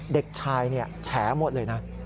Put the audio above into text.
เด็กชายแฉหมดเลยนะ